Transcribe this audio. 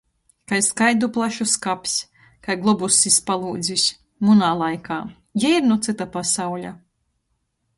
Kai skaiduplašu skaps. Kai globuss iz palūdzis. Munā laikā. Jei ir nu cyta pasauļa.